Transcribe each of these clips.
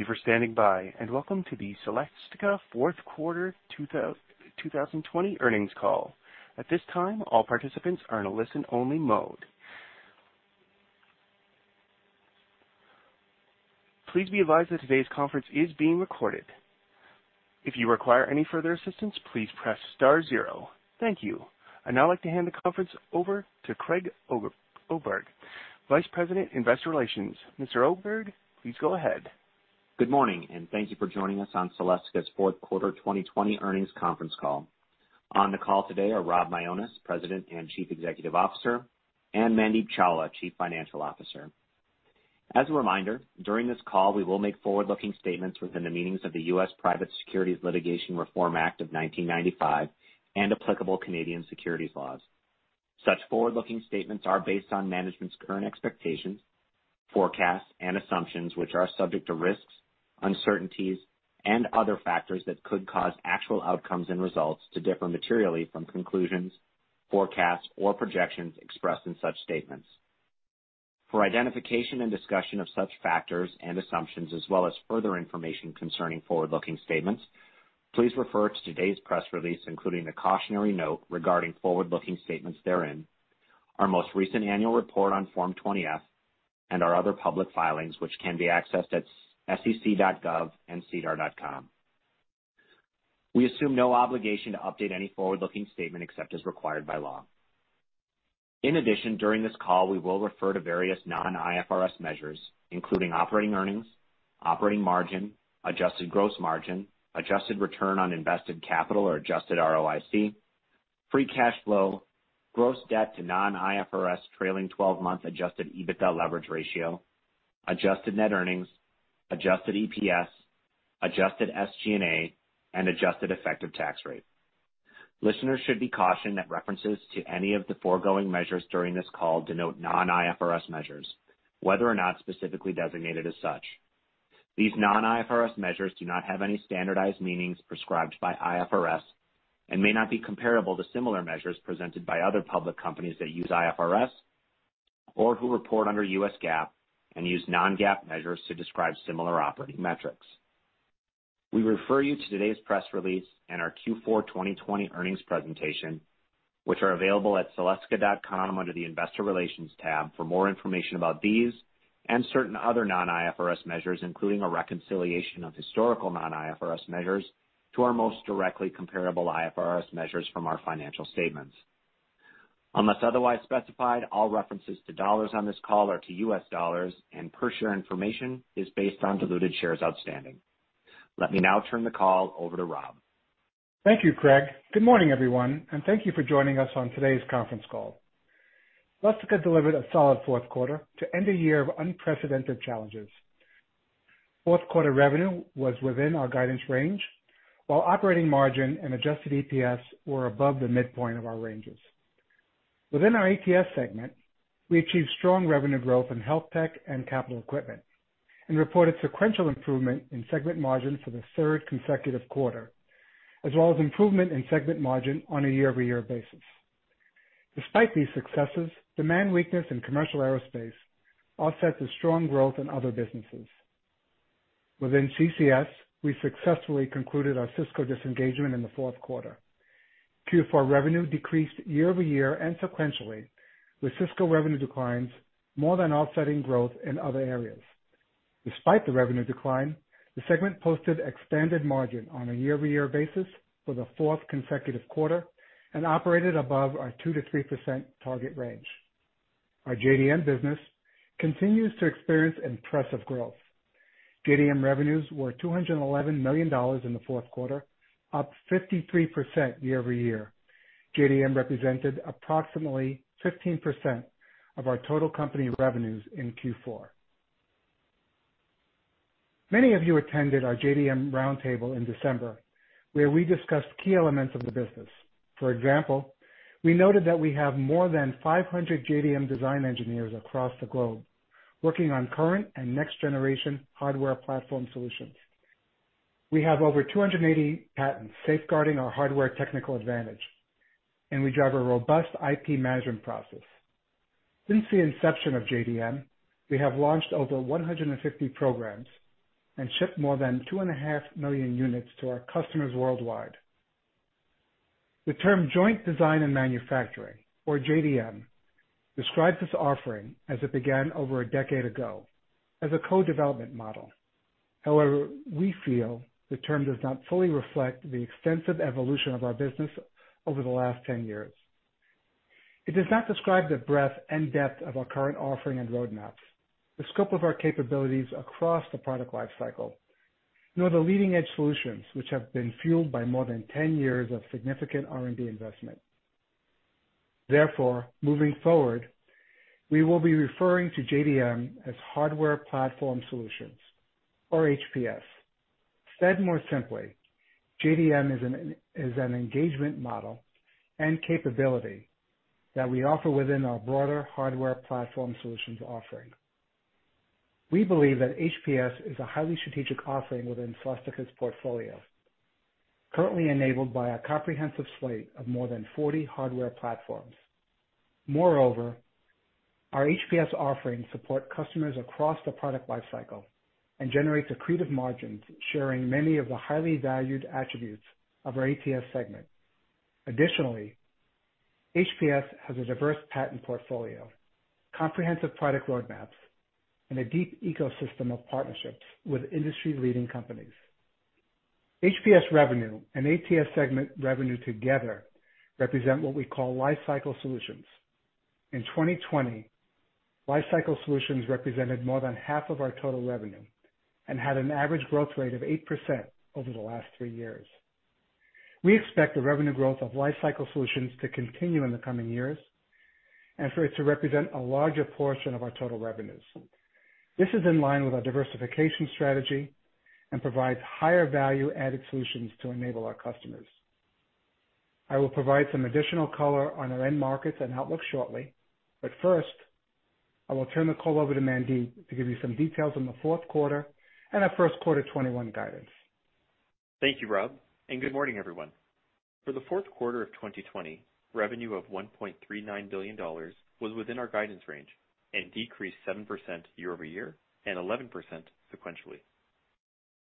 Thank you for standing by, welcome to the Celestica fourth quarter 2020 earnings call. At this time, all participants are in a listen-only mode. Please be advised that today's conference is being recorded. I'd now like to hand the conference over to Craig Oberg, Vice President, Investor Relations. Mr. Oberg, please go ahead. Good morning, thank you for joining us on Celestica's fourth quarter 2020 earnings conference call. On the call today are Rob Mionis, President and Chief Executive Officer, and Mandeep Chawla, Chief Financial Officer. As a reminder, during this call, we will make forward-looking statements within the meanings of the U.S. Private Securities Litigation Reform Act of 1995 and applicable Canadian securities laws. Such forward-looking statements are based on management's current expectations, forecasts, and assumptions, which are subject to risks, uncertainties, and other factors that could cause actual outcomes and results to differ materially from conclusions, forecasts, or projections expressed in such statements. For identification and discussion of such factors and assumptions, as well as further information concerning forward-looking statements, please refer to today's press release, including the cautionary note regarding forward-looking statements therein, our most recent annual report on Form 20-F, and our other public filings, which can be accessed at sec.gov and sedar.com. We assume no obligation to update any forward-looking statement except as required by law. In addition, during this call, we will refer to various non-IFRS measures, including operating earnings, operating margin, adjusted gross margin, adjusted return on invested capital or adjusted ROIC, free cash flow, gross debt to non-IFRS trailing 12-month adjusted EBITDA leverage ratio, adjusted net earnings, adjusted EPS, adjusted SG&A, and adjusted effective tax rate. Listeners should be cautioned that references to any of the foregoing measures during this call denote non-IFRS measures, whether or not specifically designated as such. These non-IFRS measures do not have any standardized meanings prescribed by IFRS and may not be comparable to similar measures presented by other public companies that use IFRS or who report under US GAAP and use non-GAAP measures to describe similar operating metrics. We refer you to today's press release and our Q4 2020 earnings presentation, which are available at celestica.com under the investor relations tab for more information about these and certain other non-IFRS measures, including a reconciliation of historical non-IFRS measures to our most directly comparable IFRS measures from our financial statements. Unless otherwise specified, all references to dollars on this call are to US dollars, and per-share information is based on diluted shares outstanding. Let me now turn the call over to Rob. Thank you, Craig. Good morning, everyone, and thank you for joining us on today's conference call. Celestica delivered a solid fourth quarter to end a year of unprecedented challenges. Fourth quarter revenue was within our guidance range, while operating margin and adjusted EPS were above the midpoint of our ranges. Within our ATS segment, we achieved strong revenue growth in HealthTech and Capital Equipment and reported sequential improvement in segment margin for the third consecutive quarter, as well as improvement in segment margin on a year-over-year basis. Despite these successes, demand weakness in commercial aerospace offsets the strong growth in other businesses. Within CCS, we successfully concluded our Cisco disengagement in the fourth quarter. Q4 revenue decreased year-over-year and sequentially, with Cisco revenue declines more than offsetting growth in other areas. Despite the revenue decline, the segment posted expanded margin on a year-over-year basis for the fourth consecutive quarter and operated above our 2%-3% target range. Our JDM business continues to experience impressive growth. JDM revenues were $211 million in the fourth quarter, up 53% year-over-year. JDM represented approximately 15% of our total company revenues in Q4. Many of you attended our JDM roundtable in December, where we discussed key elements of the business. For example, we noted that we have more than 500 JDM design engineers across the globe working on current and next-generation Hardware Platform Solutions. We have over 280 patents safeguarding our hardware technical advantage. We drive a robust IP management process. Since the inception of JDM, we have launched over 150 programs and shipped more than two and a half million units to our customers worldwide. The term Joint Design and Manufacturing, or JDM, describes this offering as it began over a decade ago as a co-development model. However, we feel the term does not fully reflect the extensive evolution of our business over the last 10 years. It does not describe the breadth and depth of our current offering and roadmaps, the scope of our capabilities across the product life cycle, nor the leading-edge solutions which have been fueled by more than 10 years of significant R&D investment. Therefore, moving forward, we will be referring to JDM as Hardware Platform Solutions or HPS. Said more simply, JDM is an engagement model and capability that we offer within our broader Hardware Platform Solutions offering. We believe that HPS is a highly strategic offering within Celestica's portfolio. Currently enabled by our comprehensive slate of more than 40 hardware platforms. Moreover, our HPS offerings support customers across the product life cycle and generate accretive margins, sharing many of the highly valued attributes of our ATS segment. Additionally, HPS has a diverse patent portfolio, comprehensive product roadmaps, and a deep ecosystem of partnerships with industry-leading companies. HPS revenue and ATS segment revenue together represent what we call Lifecycle Solutions. In 2020, Lifecycle Solutions represented more than half of our total revenue and had an average growth rate of 8% over the last three years. We expect the revenue growth of Lifecycle Solutions to continue in the coming years, and for it to represent a larger portion of our total revenues. This is in line with our diversification strategy and provides higher value-added solutions to enable our customers. I will provide some additional color on our end markets and outlook shortly, but first, I will turn the call over to Mandeep to give you some details on the fourth quarter and our first quarter 2021 guidance. Thank you, Rob, and good morning, everyone. For the fourth quarter of 2020, revenue of $1.39 billion was within our guidance range and decreased 7% year-over-year and 11% sequentially.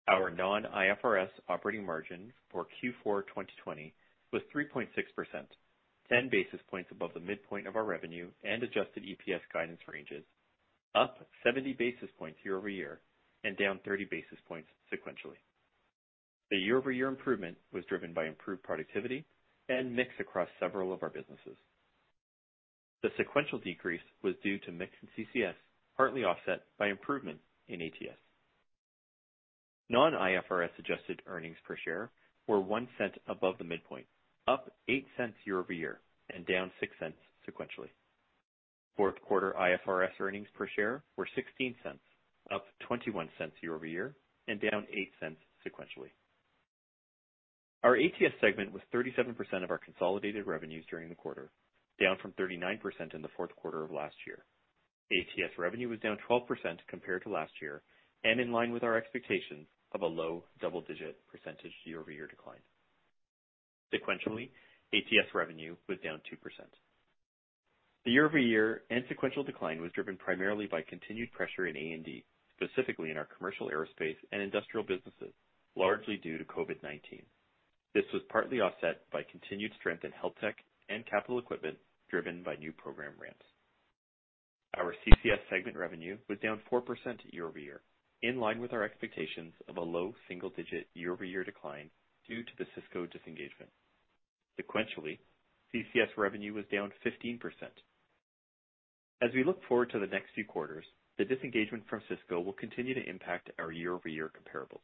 Our non-IFRS operating margin for Q4 2020 was 3.6%, 10 basis points above the midpoint of our revenue and adjusted EPS guidance ranges, up 70 basis points year-over-year, and down 30 basis points sequentially. The year-over-year improvement was driven by improved productivity and mix across several of our businesses. The sequential decrease was due to mix in CCS, partly offset by improvement in ATS. Non-IFRS adjusted earnings per share were $0.01 above the midpoint, up $0.08 year-over-year and down $0.06 sequentially. Fourth quarter IFRS earnings per share were $0.16, up $0.21 year-over-year and down $0.08 sequentially. Our ATS segment was 37% of our consolidated revenues during the quarter, down from 39% in the fourth quarter of last year. ATS revenue was down 12% compared to last year and in line with our expectations of a low double-digit percentage year-over-year decline. Sequentially, ATS revenue was down 2%. The year-over-year and sequential decline was driven primarily by continued pressure in A&D, specifically in our commercial aerospace and industrial businesses, largely due to COVID-19. This was partly offset by continued strength in HealthTech and Capital Equipment driven by new program ramps. Our CCS segment revenue was down 4% year-over-year, in line with our expectations of a low single-digit year-over-year decline due to the Cisco disengagement. Sequentially, CCS revenue was down 15%. As we look forward to the next few quarters, the disengagement from Cisco will continue to impact our year-over-year comparables.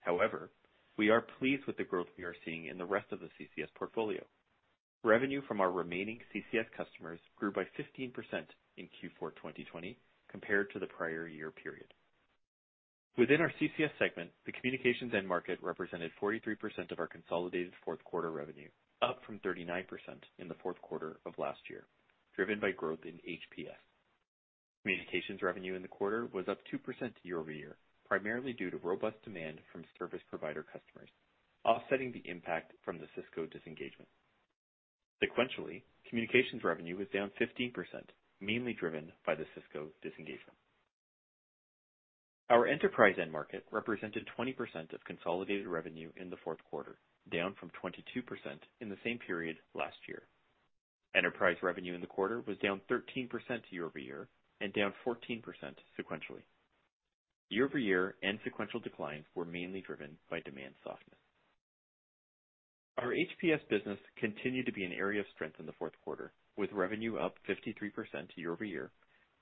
However, we are pleased with the growth we are seeing in the rest of the CCS portfolio. Revenue from our remaining CCS customers grew by 15% in Q4 2020 compared to the prior year period. Within our CCS segment, the Communications end market represented 43% of our consolidated fourth quarter revenue, up from 39% in the fourth quarter of last year, driven by growth in HPS. Communications revenue in the quarter was up 2% year-over-year, primarily due to robust demand from service provider customers, offsetting the impact from the Cisco disengagement. Sequentially, Communications revenue was down 15%, mainly driven by the Cisco disengagement. Our Enterprise end market represented 20% of consolidated revenue in the fourth quarter, down from 22% in the same period last year. Enterprise revenue in the quarter was down 13% year-over-year and down 14% sequentially. Year-over-year and sequential declines were mainly driven by demand softness. Our HPS business continued to be an area of strength in the fourth quarter, with revenue up 53% year-over-year,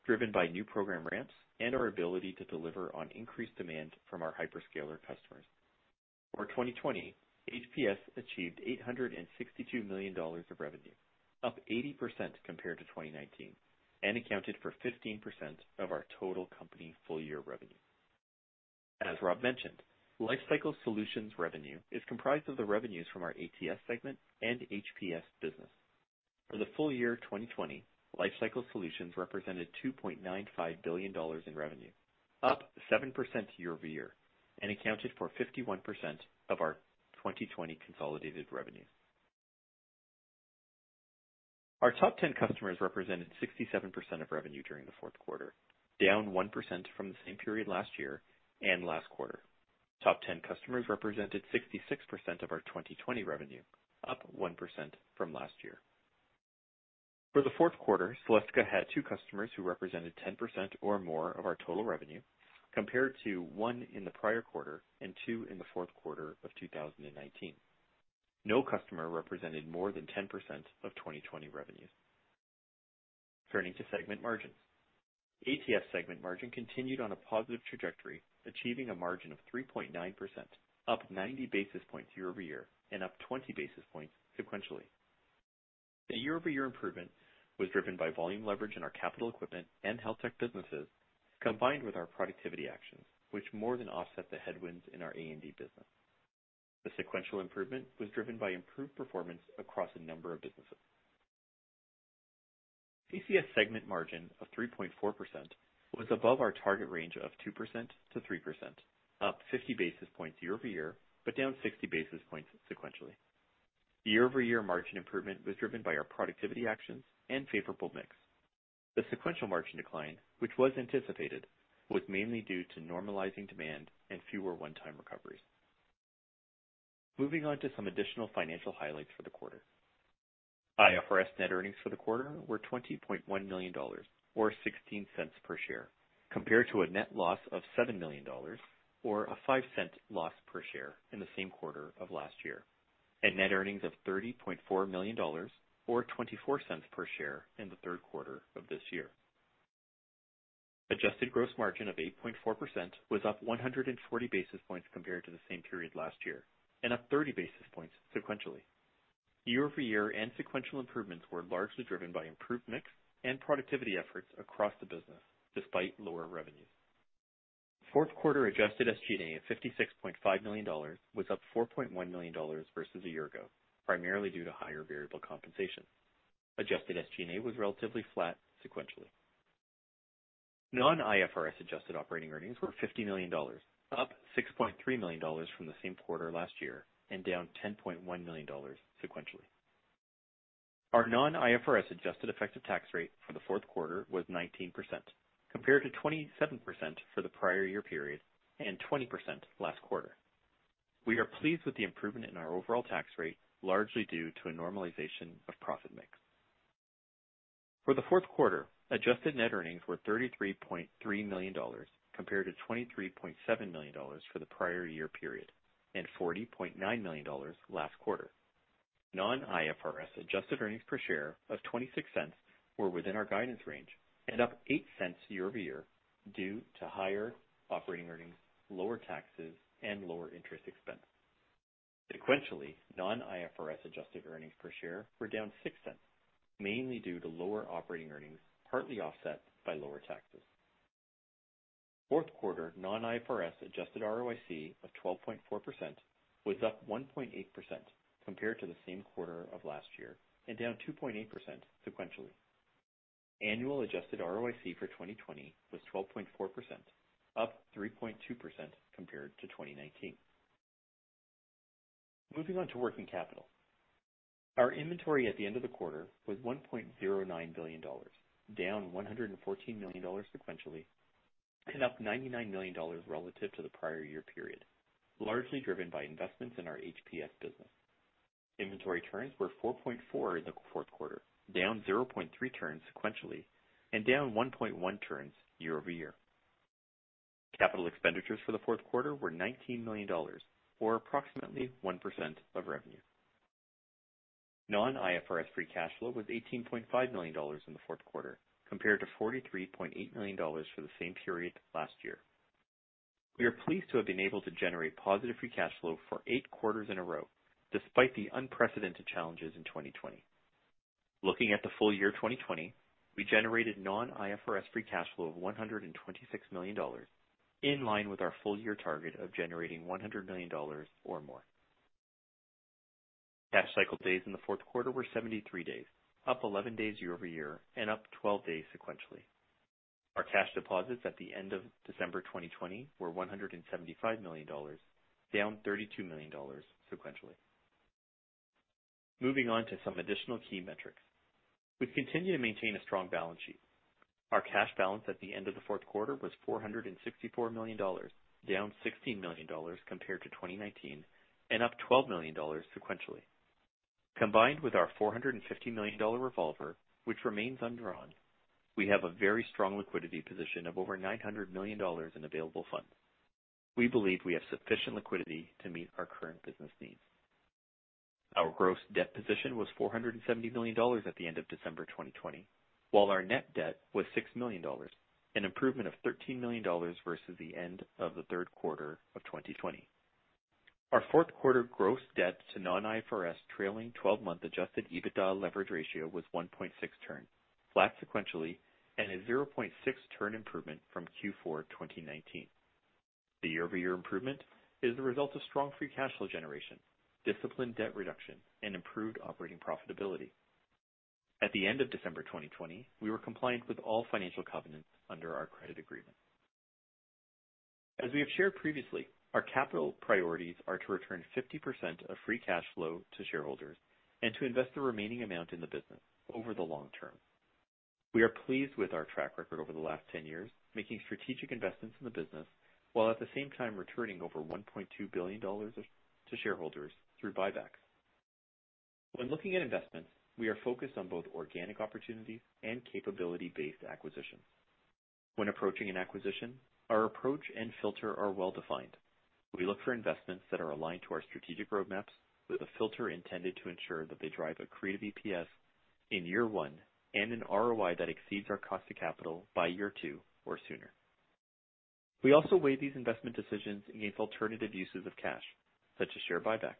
driven by new program ramps and our ability to deliver on increased demand from our hyperscaler customers. For 2020, HPS achieved $862 million of revenue, up 80% compared to 2019, and accounted for 15% of our total company full year revenue. As Rob mentioned, Lifecycle Solutions revenue is comprised of the revenues from our ATS segment and HPS business. For the full year 2020, Lifecycle Solutions represented $2.95 billion in revenue, up 7% year-over-year, and accounted for 51% of our 2020 consolidated revenue. Our top 10 customers represented 67% of revenue during the fourth quarter, down 1% from the same period last year and last quarter. Top 10 customers represented 66% of our 2020 revenue, up 1% from last year. For the fourth quarter, Celestica had two customers who represented 10% or more of our total revenue, compared to one in the prior quarter and two in the fourth quarter of 2019. No customer represented more than 10% of 2020 revenues. Turning to segment margins. ATS segment margin continued on a positive trajectory, achieving a margin of 3.9%, up 90 basis points year-over-year and up 20 basis points sequentially. The year-over-year improvement was driven by volume leverage in our Capital Equipment and HealthTech businesses, combined with our productivity actions, which more than offset the headwinds in our A&D business. The sequential improvement was driven by improved performance across a number of businesses. CCS segment margin of 3.4% was above our target range of 2%-3%, up 50 basis points year-over-year, but down 60 basis points sequentially. The year-over-year margin improvement was driven by our productivity actions and favorable mix. The sequential margin decline, which was anticipated, was mainly due to normalizing demand and fewer one-time recoveries. Moving on to some additional financial highlights for the quarter. IFRS net earnings for the quarter were $20.1 million, or $0.16 per share, compared to a net loss of $7 million, or a $0.05 loss per share in the same quarter of last year, and net earnings of $30.4 million, or $0.24 per share in the third quarter of this year. Adjusted gross margin of 8.4% was up 140 basis points compared to the same period last year, and up 30 basis points sequentially. Year-over-year and sequential improvements were largely driven by improved mix and productivity efforts across the business, despite lower revenues. Fourth quarter adjusted SG&A of $56.5 million was up $4.1 million versus a year ago, primarily due to higher variable compensation. Adjusted SG&A was relatively flat sequentially. Non-IFRS adjusted operating earnings were $50 million, up $6.3 million from the same quarter last year and down $10.1 million sequentially. Our non-IFRS adjusted effective tax rate for the fourth quarter was 19%, compared to 27% for the prior year period and 20% last quarter. We are pleased with the improvement in our overall tax rate, largely due to a normalization of profit mix. For the fourth quarter, adjusted net earnings were $33.3 million, compared to $23.7 million for the prior year period, and $40.9 million last quarter. Non-IFRS adjusted earnings per share of $0.26 were within our guidance range and up $0.08 year-over-year due to higher operating earnings, lower taxes, and lower interest expense. Sequentially, non-IFRS adjusted earnings per share were down $0.06, mainly due to lower operating earnings, partly offset by lower taxes. Fourth quarter non-IFRS adjusted ROIC of 12.4% was up 1.8% compared to the same quarter of last year and down 2.8% sequentially. Annual adjusted ROIC for 2020 was 12.4%, up 3.2% compared to 2019. Moving on to working capital. Our inventory at the end of the quarter was $1.09 billion, down $114 million sequentially, and up $99 million relative to the prior year period, largely driven by investments in our HPS business. Inventory turns were 4.4 in the fourth quarter, down 0.3 turns sequentially and down 1.1 turns year-over-year. Capital expenditures for the fourth quarter were $19 million, or approximately 1% of revenue. Non-IFRS free cash flow was $18.5 million in the fourth quarter, compared to $43.8 million for the same period last year. We are pleased to have been able to generate positive free cash flow for eight quarters in a row, despite the unprecedented challenges in 2020. Looking at the full year 2020, we generated non-IFRS free cash flow of $126 million, in line with our full-year target of generating $100 million or more. Cash cycle days in the fourth quarter were 73 days, up 11 days year-over-year, and up 12 days sequentially. Our cash deposits at the end of December 2020 were $175 million, down $32 million sequentially. Moving on to some additional key metrics. We've continued to maintain a strong balance sheet. Our cash balance at the end of the fourth quarter was $464 million, down $16 million compared to 2019 and up $12 million sequentially. Combined with our $450 million revolver, which remains undrawn, we have a very strong liquidity position of over $900 million in available funds. We believe we have sufficient liquidity to meet our current business needs. Our gross debt position was $470 million at the end of December 2020, while our net debt was $6 million, an improvement of $13 million versus the end of the third quarter of 2020. Our fourth quarter gross debt to non-IFRS trailing 12-month adjusted EBITDA leverage ratio was 1.6 turn, flat sequentially, and a 0.6 turn improvement from Q4 2019. The year-over-year improvement is the result of strong free cash flow generation, disciplined debt reduction, and improved operating profitability. At the end of December 2020, we were compliant with all financial covenants under our credit agreement. As we have shared previously, our capital priorities are to return 50% of free cash flow to shareholders and to invest the remaining amount in the business over the long term. We are pleased with our track record over the last 10 years, making strategic investments in the business, while at the same time returning over $1.2 billion to shareholders through buybacks. When looking at investments, we are focused on both organic opportunities and capability-based acquisitions. When approaching an acquisition, our approach and filter are well-defined. We look for investments that are aligned to our strategic roadmaps with a filter intended to ensure that they drive accretive EPS in year one and an ROI that exceeds our cost of capital by year two or sooner. We also weigh these investment decisions against alternative uses of cash, such as share buybacks.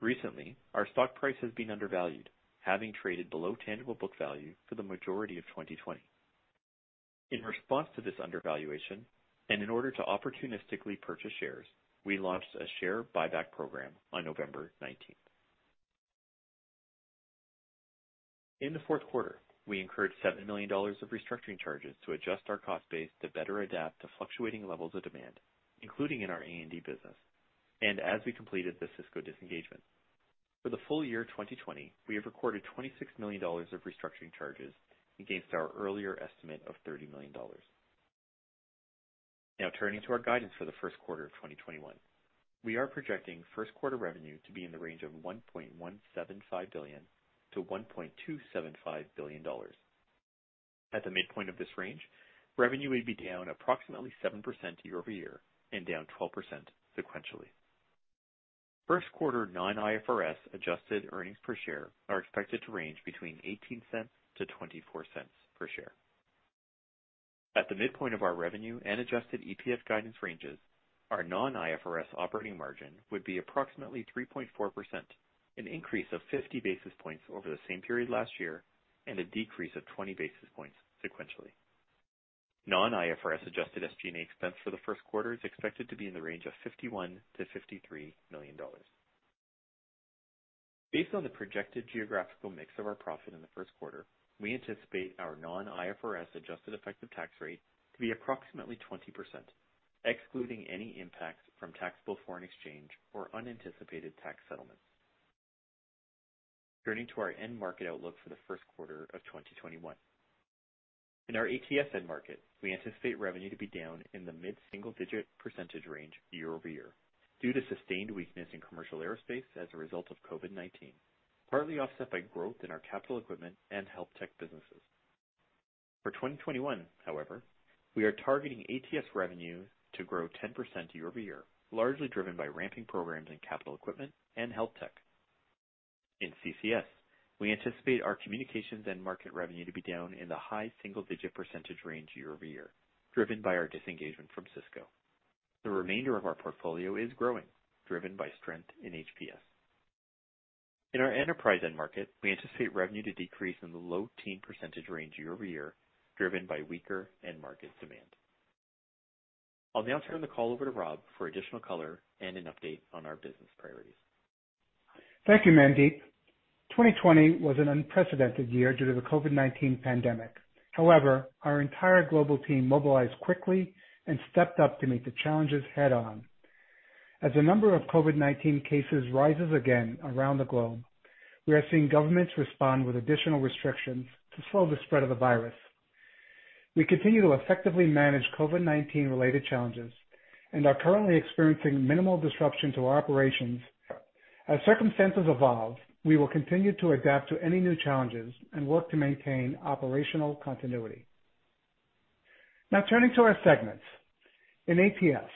Recently, our stock price has been undervalued, having traded below tangible book value for the majority of 2020. In response to this undervaluation, and in order to opportunistically purchase shares, we launched a share buyback program on November 19th. In the fourth quarter, we incurred $7 million of restructuring charges to adjust our cost base to better adapt to fluctuating levels of demand, including in our A&D business, and as we completed the Cisco disengagement. For the full year 2020, we have recorded $26 million of restructuring charges against our earlier estimate of $30 million. Now turning to our guidance for the first quarter of 2021. We are projecting first quarter revenue to be in the range of $1.175 billion-$1.275 billion. At the midpoint of this range, revenue would be down approximately 7% year-over-year and down 12% sequentially. First quarter non-IFRS adjusted earnings per share are expected to range between $0.18-$0.24 per share. At the midpoint of our revenue and adjusted EPS guidance ranges, our non-IFRS operating margin would be approximately 3.4%, an increase of 50 basis points over the same period last year and a decrease of 20 basis points sequentially. Non-IFRS adjusted SG&A expense for the first quarter is expected to be in the range of $51 million-$53 million. Based on the projected geographical mix of our profit in the first quarter, we anticipate our non-IFRS adjusted effective tax rate to be approximately 20%, excluding any impact from taxable foreign exchange or unanticipated tax settlements. Turning to our end market outlook for the first quarter of 2021. In our ATS end market, we anticipate revenue to be down in the mid-single-digit percentage range year-over-year, due to sustained weakness in commercial aerospace as a result of COVID-19, partly offset by growth in our Capital Equipment and HealthTech businesses. For 2021, however, we are targeting ATS revenue to grow 10% year-over-year, largely driven by ramping programs in Capital Equipment and HealthTech. In CCS, we anticipate our Communications end market revenue to be down in the high single-digit percentage range year-over-year, driven by our disengagement from Cisco. The remainder of our portfolio is growing, driven by strength in HPS. In our Enterprise end market, we anticipate revenue to decrease in the low teen percentage range year-over-year, driven by weaker end market demand. I'll now turn the call over to Rob for additional color and an update on our business priorities. Thank you, Mandeep. 2020 was an unprecedented year due to the COVID-19 pandemic. However, our entire global team mobilized quickly and stepped up to meet the challenges head on. As the number of COVID-19 cases rises again around the globe, we are seeing governments respond with additional restrictions to slow the spread of the virus. We continue to effectively manage COVID-19 related challenges and are currently experiencing minimal disruption to our operations. As circumstances evolve, we will continue to adapt to any new challenges and work to maintain operational continuity. Now turning to our segments. In ATS,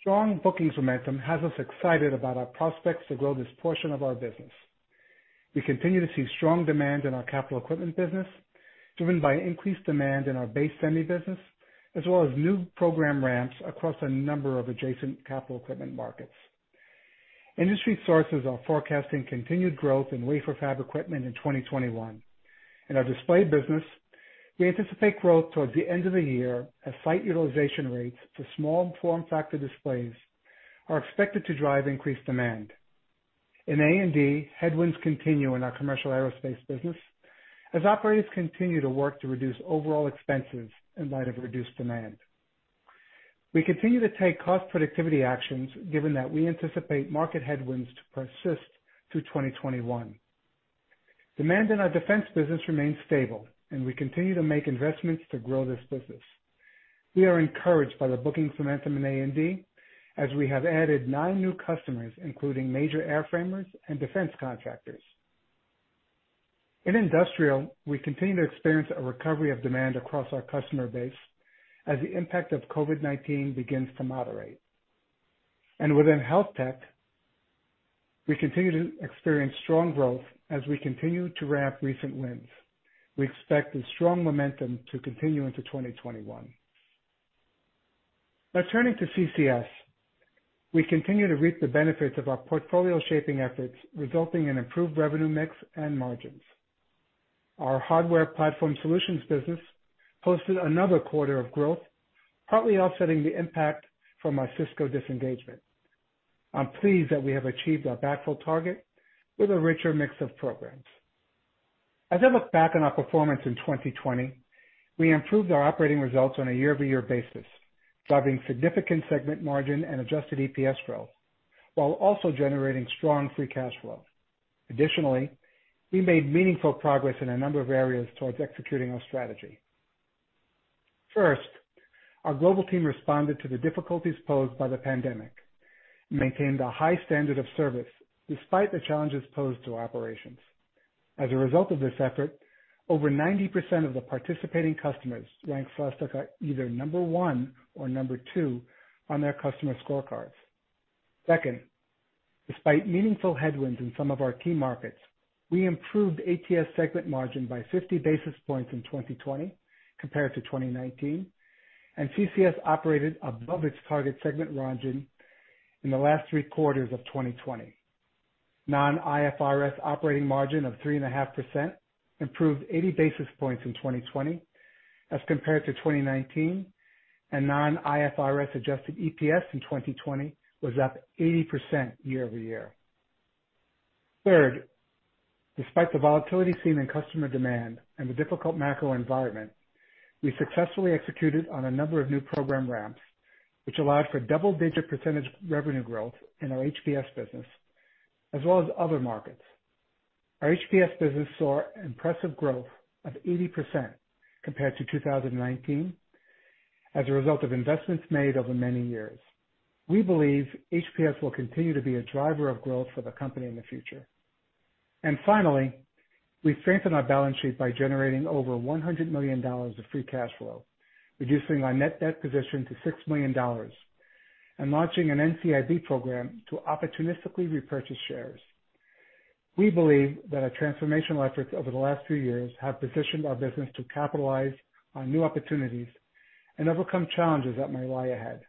strong bookings momentum has us excited about our prospects to grow this portion of our business. We continue to see strong demand in our Capital Equipment business, driven by increased demand in our base semi business, as well as new program ramps across a number of adjacent Capital Equipment markets. Industry sources are forecasting continued growth in wafer fab equipment in 2021. In our display business, we anticipate growth towards the end of the year as site utilization rates for small form factor displays are expected to drive increased demand. In A&D, headwinds continue in our commercial aerospace business as operators continue to work to reduce overall expenses in light of reduced demand. We continue to take cost productivity actions given that we anticipate market headwinds to persist through 2021. Demand in our defense business remains stable, and we continue to make investments to grow this business. We are encouraged by the bookings momentum in A&D, as we have added nine new customers, including major airframers and defense contractors. In industrial, we continue to experience a recovery of demand across our customer base as the impact of COVID-19 begins to moderate. Within HealthTech, we continue to experience strong growth as we continue to ramp recent wins. We expect this strong momentum to continue into 2021. Now turning to CCS. We continue to reap the benefits of our portfolio shaping efforts, resulting in improved revenue mix and margins. Our Hardware Platform Solutions business posted another quarter of growth, partly offsetting the impact from our Cisco disengagement. I'm pleased that we have achieved our backfill target with a richer mix of programs. As I look back on our performance in 2020, we improved our operating results on a year-over-year basis, driving significant segment margin and adjusted EPS growth, while also generating strong free cash flow. Additionally, we made meaningful progress in a number of areas towards executing our strategy. First, our global team responded to the difficulties posed by the pandemic and maintained a high standard of service despite the challenges posed to our operations. As a result of this effort, over 90% of the participating customers ranked Celestica either number one or number two on their customer scorecards. Second, despite meaningful headwinds in some of our key markets, we improved ATS segment margin by 50 basis points in 2020 compared to 2019, and CCS operated above its target segment margin in the last three quarters of 2020. Non-IFRS operating margin of 3.5% improved 80 basis points in 2020 as compared to 2019, and Non-IFRS adjusted EPS in 2020 was up 80% year-over-year. Third, despite the volatility seen in customer demand and the difficult macro environment, we successfully executed on a number of new program ramps, which allowed for double-digit percentage revenue growth in our HPS business as well as other markets. Our HPS business saw impressive growth of 80% compared to 2019 as a result of investments made over many years. We believe HPS will continue to be a driver of growth for the company in the future. Finally, we strengthened our balance sheet by generating over $100 million of free cash flow, reducing our net debt position to $6 million, and launching an NCIB program to opportunistically repurchase shares. We believe that our transformational efforts over the last few years have positioned our business to capitalize on new opportunities and overcome challenges that may lie ahead.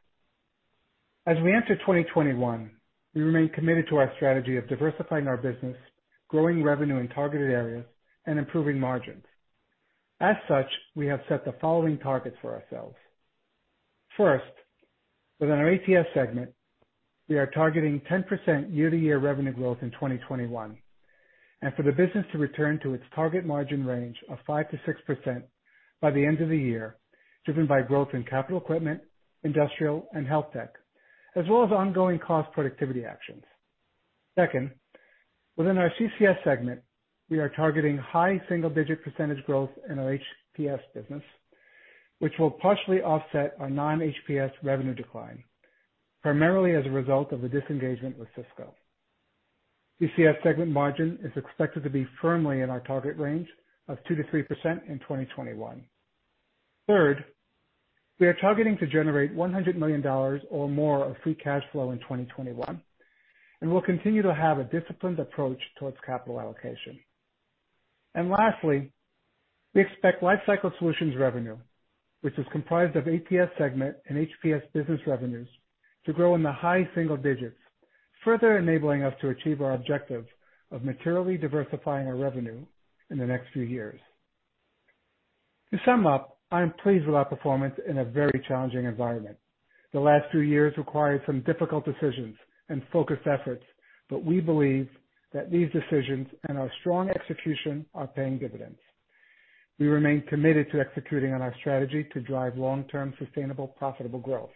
As we enter 2021, we remain committed to our strategy of diversifying our business, growing revenue in targeted areas, and improving margins. As such, we have set the following targets for ourselves. First, within our ATS segment, we are targeting 10% year-over-year revenue growth in 2021, and for the business to return to its target margin range of 5%-6% by the end of the year, driven by growth in Capital Equipment, industrial, and HealthTech, as well as ongoing cost productivity actions. Second, within our CCS segment, we are targeting high single-digit percentage growth in our HPS business, which will partially offset our non-HPS revenue decline, primarily as a result of the disengagement with Cisco. CCS segment margin is expected to be firmly in our target range of 2%-3% in 2021. Third, we are targeting to generate $100 million or more of free cash flow in 2021, and we'll continue to have a disciplined approach towards capital allocation. Lastly, we expect Lifecycle Solutions revenue, which is comprised of ATS segment and HPS business revenues, to grow in the high single digits, further enabling us to achieve our objective of materially diversifying our revenue in the next few years. To sum up, I am pleased with our performance in a very challenging environment. The last few years required some difficult decisions and focused efforts, but we believe that these decisions and our strong execution are paying dividends. We remain committed to executing on our strategy to drive long-term sustainable, profitable growth.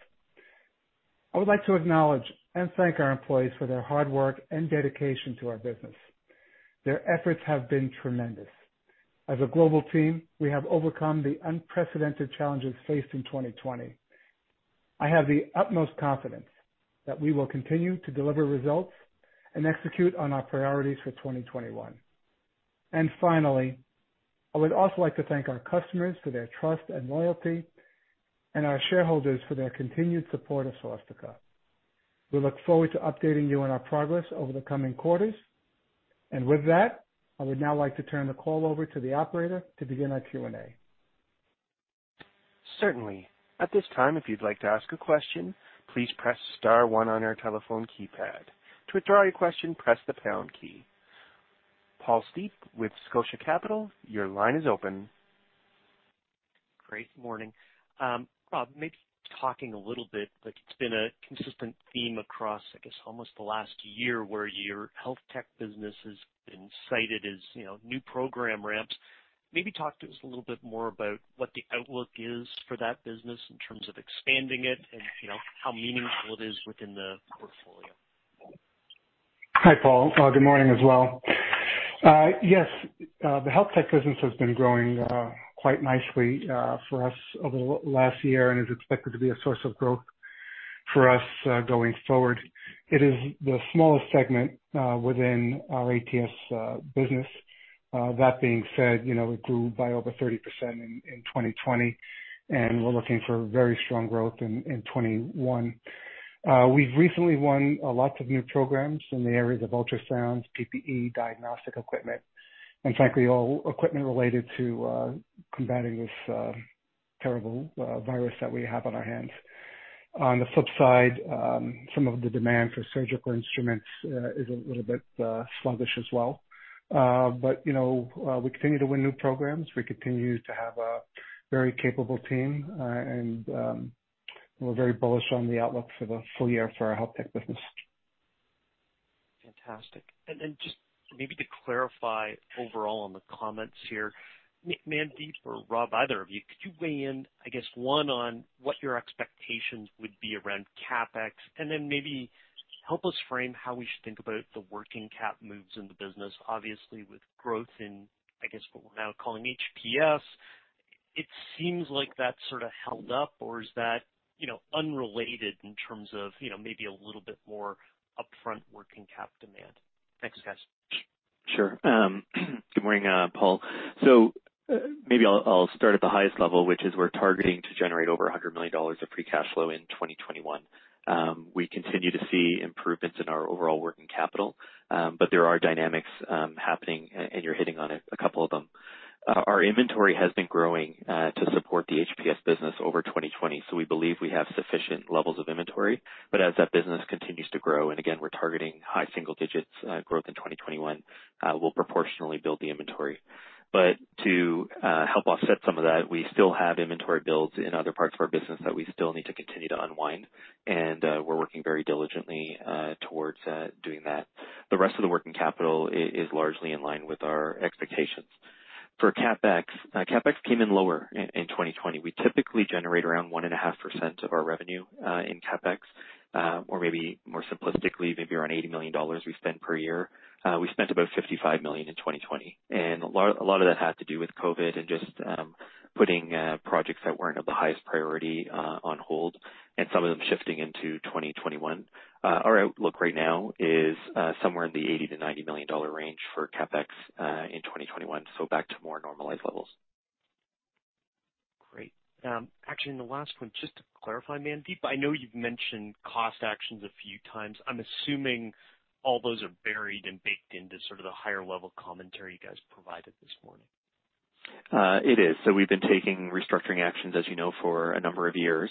I would like to acknowledge and thank our employees for their hard work and dedication to our business. Their efforts have been tremendous. As a global team, we have overcome the unprecedented challenges faced in 2020. I have the utmost confidence that we will continue to deliver results and execute on our priorities for 2021. Finally, I would also like to thank our customers for their trust and loyalty, and our shareholders for their continued support of Celestica. We look forward to updating you on our progress over the coming quarters. With that, I would now like to turn the call over to the operator to begin our Q&A. Certainly. At this time, if you'd like to ask a question, please press star one on your telephone keypad. To withdraw your question, press the pound key. Paul Steep with Scotia Capital, your line is open. Great morning. Rob, maybe talking a little bit, like it's been a consistent theme across, I guess, almost the last year where your HealthTech business has been cited as new program ramps. Maybe talk to us a little bit more about what the outlook is for that business in terms of expanding it and how meaningful it is within the portfolio? Hi, Paul. Good morning as well. Yes, the HealthTech business has been growing quite nicely for us over the last year and is expected to be a source of growth for us going forward. It is the smallest segment within our ATS business. That being said, it grew by over 30% in 2020, and we're looking for very strong growth in 2021. We've recently won lots of new programs in the areas of ultrasounds, PPE, diagnostic equipment, and frankly, all equipment related to combating this terrible virus that we have on our hands. On the flip side, some of the demand for surgical instruments is a little bit sluggish as well. We continue to win new programs. We continue to have a very capable team, and we're very bullish on the outlook for the full year for our HealthTech business. Fantastic. Just maybe to clarify overall on the comments here, Mandeep or Rob, either of you, could you weigh in, I guess, one, on what your expectations would be around CapEx, then maybe help us frame how we should think about the working cap moves in the business. Obviously, with growth in, I guess, what we're now calling HPS, it seems like that sort of held up, or is that unrelated in terms of maybe a little bit more upfront working cap demand? Thanks, guys. Sure. Good morning, Paul. Maybe I'll start at the highest level, which is we're targeting to generate over $100 million of free cash flow in 2021. We continue to see improvements in our overall working capital, but there are dynamics happening, and you're hitting on a couple of them. Our inventory has been growing to support the HPS business over 2020, so we believe we have sufficient levels of inventory. As that business continues to grow, and again, we're targeting high single digits growth in 2021, we'll proportionally build the inventory. To help offset some of that, we still have inventory builds in other parts of our business that we still need to continue to unwind, and we're working very diligently towards doing that. The rest of the working capital is largely in line with our expectations. For CapEx came in lower in 2020. We typically generate around 1.5% of our revenue in CapEx, or maybe more simplistically, maybe around $80 million we spend per year. We spent about $55 million in 2020. A lot of that had to do with COVID and just putting projects that weren't of the highest priority on hold, and some of them shifting into 2021. Our outlook right now is somewhere in the $80 million-$90 million range for CapEx in 2021, so back to more normalized levels. Great. Actually, the last one, just to clarify, Mandeep, I know you've mentioned cost actions a few times. I'm assuming all those are buried and baked into sort of the higher level commentary you guys provided this morning. It is. We've been taking restructuring actions, as you know, for a number of years.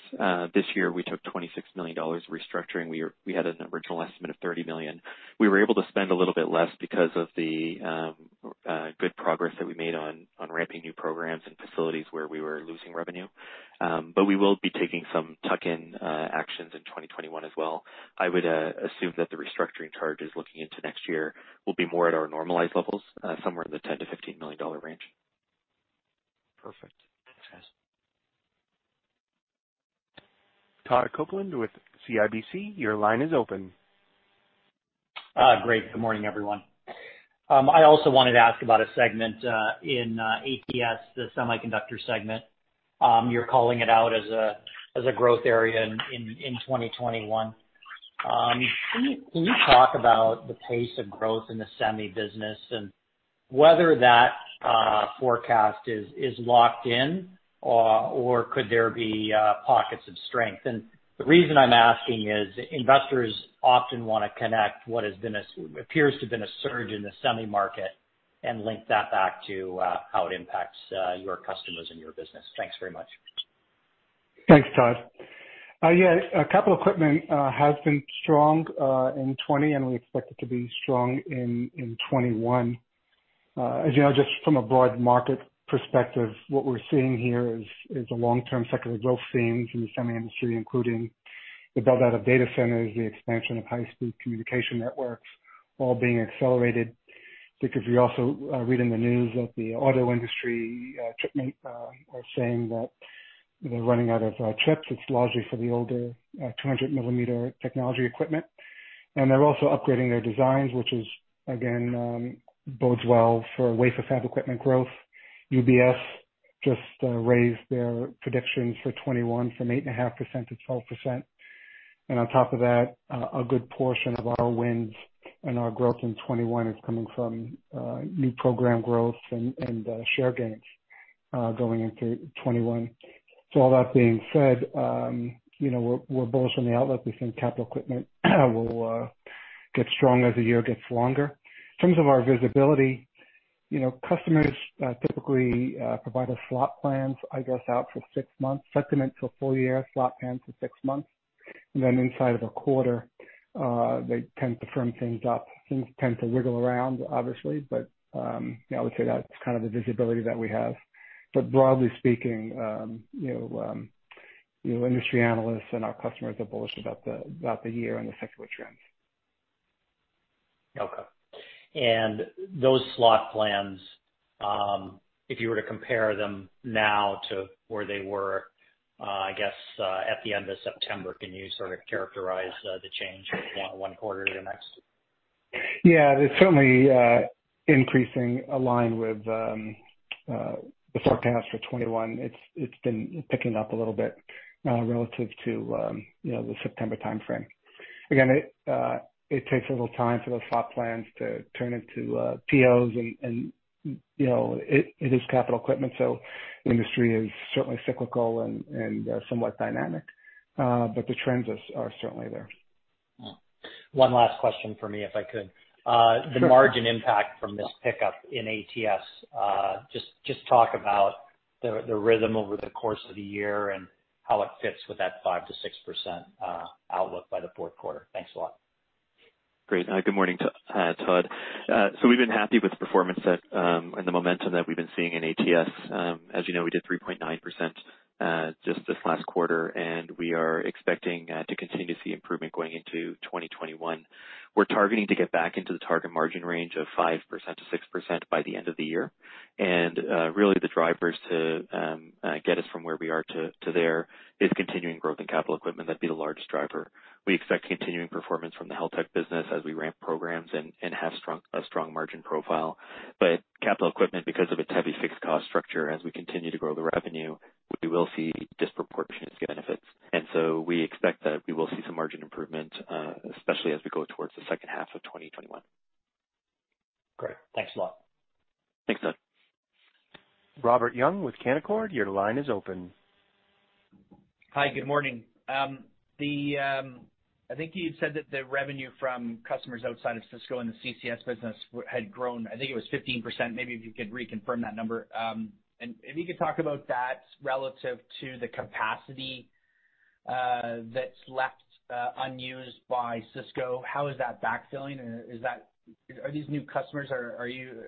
This year we took $26 million restructuring. We had an original estimate of $30 million. We were able to spend a little bit less because of the good progress that we made on ramping new programs and facilities where we were losing revenue. We will be taking some tuck-in actions in 2021 as well. I would assume that the restructuring charges looking into next year will be more at our normalized levels, somewhere in the $10 million-$15 million range. Perfect. Thanks, guys. Todd Coupland with CIBC, your line is open. Great. Good morning, everyone. I also wanted to ask about a segment, in ATS, the semiconductor segment. You're calling it out as a growth area in 2021. Can you talk about the pace of growth in the semi business and whether that forecast is locked in, or could there be pockets of strength? The reason I'm asking is investors often want to connect what appears to have been a surge in the semi market and link that back to how it impacts your customers and your business. Thanks very much. Thanks, Todd. Capital Equipment has been strong in 2020, and we expect it to be strong in 2021. As you know, just from a broad market perspective, what we're seeing here is a long-term secular growth theme from the semi industry, including the build-out of data centers, the expansion of high-speed communication networks, all being accelerated, because we also read in the news that the auto industry chipmakers are saying that they're running out of chips. It's largely for the older 200 mm technology equipment. They're also upgrading their designs, which again, bodes well for wafer fab equipment growth. UBS just raised their predictions for 2021 from 8.5% to 12%. On top of that, a good portion of our wins and our growth in 2021 is coming from new program growth and share gains going into 2021. All that being said, we're bullish on the outlook. We think Capital Equipment will get strong as the year gets longer. In terms of our visibility, customers typically provide us slot plans, I guess, out for six months, sentiment for a full year, slot plans for six months, and then inside of a quarter, they tend to firm things up. Things tend to wiggle around, obviously, but I would say that's kind of the visibility that we have. Broadly speaking, industry analysts and our customers are bullish about the year and the secular trends. Okay. Those slot plans, if you were to compare them now to where they were, I guess, at the end of September, can you sort of characterize the change one quarter to the next? Yeah. They're certainly increasing align with the forecast for 2021. It's been picking up a little bit relative to the September timeframe. Again, it takes a little time for those slot plans to turn into POs, and it is Capital Equipment, so industry is certainly cyclical and somewhat dynamic. The trends are certainly there. One last question from me, if I could. Sure. The margin impact from this pickup in ATS. Just talk about the rhythm over the course of the year and how it fits with that 5%-6% outlook by the fourth quarter. Thanks a lot. Great. Good morning, Todd. We've been happy with the performance and the momentum that we've been seeing in ATS. As you know, we did 3.9% just this last quarter. We are expecting to continue to see improvement going into 2021. We're targeting to get back into the target margin range of 5%-6% by the end of the year. Really, the drivers to get us from where we are to there is continuing growth in Capital Equipment. That'd be the largest driver. We expect continuing performance from the HealthTech business as we ramp programs and have a strong margin profile. Capital Equipment, because of its heavy fixed cost structure, as we continue to grow the revenue, we will see disproportionate benefits. We expect that we will see some margin improvement, especially as we go towards the second half of 2021. Great. Thanks a lot. Thanks, Todd. Robert Young with Canaccord, your line is open. Hi, good morning. I think you said that the revenue from customers outside of Cisco and the CCS business had grown, I think it was 15%. Maybe if you could reconfirm that number. If you could talk about that relative to the capacity that's left unused by Cisco, how is that backfilling? Are these new customers, are you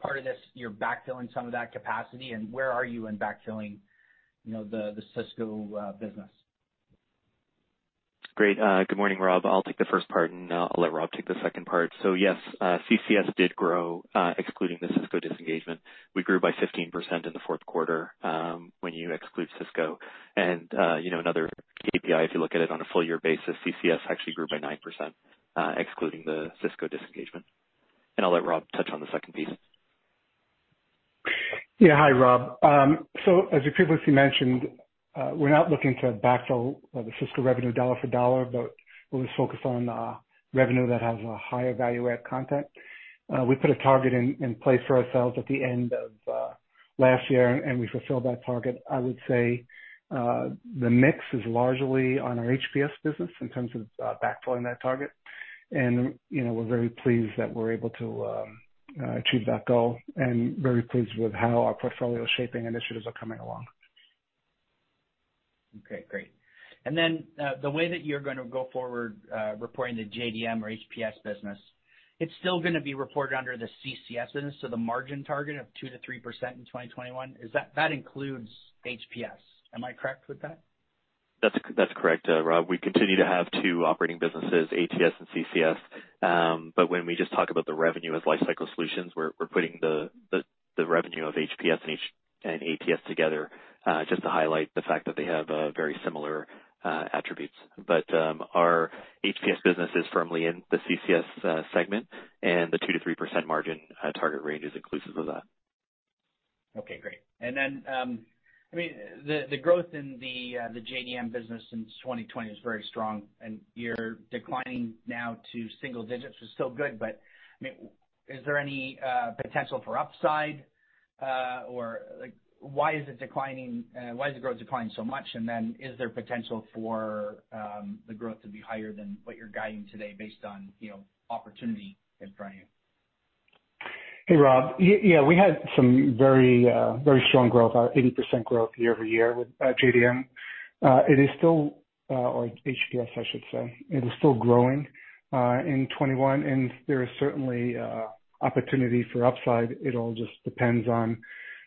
part of this, you're backfilling some of that capacity, and where are you in backfilling the Cisco business? Great. Good morning, Rob. I'll take the first part, and I'll let Rob take the second part. Yes, CCS did grow, excluding the Cisco disengagement. We grew by 15% in the fourth quarter when you exclude Cisco. Another KPI, if you look at it on a full year basis, CCS actually grew by 9%, excluding the Cisco disengagement. I'll let Rob touch on the second piece. Yeah. Hi, Rob. As you previously mentioned, we're not looking to backfill the Cisco revenue dollar for dollar, but we're just focused on revenue that has a higher value add content. We put a target in place for ourselves at the end of last year, and we fulfilled that target. I would say the mix is largely on our HPS business in terms of backfilling that target. We're very pleased that we're able to achieve that goal, and very pleased with how our portfolio shaping initiatives are coming along. Okay, great. The way that you're going to go forward, reporting the JDM or HPS business, it's still going to be reported under the CCS. The margin target of 2% to 3% in 2021, that includes HPS. Am I correct with that? That's correct, Rob. We continue to have two operating businesses, ATS and CCS. When we just talk about the revenue as Lifecycle Solutions, we're putting the revenue of HPS and ATS together, just to highlight the fact that they have very similar attributes. Our HPS business is firmly in the CCS segment, and the 2%-3% margin target range is inclusive of that. Okay, great. The growth in the JDM business since 2020 is very strong, and you're declining now to single digits, which is still good. Is there any potential for upside? Why is the growth declining so much? Is there potential for the growth to be higher than what you're guiding today based on opportunity in front of you? Hey, Rob. Yeah, we had some very strong growth, 80% growth year-over-year with JDM. Or HPS, I should say. It is still growing in 2021, and there is certainly opportunity for upside. It all just depends on